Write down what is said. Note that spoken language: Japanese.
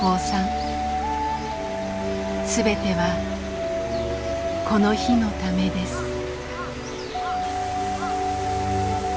全てはこの日のためです。